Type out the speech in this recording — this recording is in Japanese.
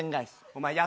お前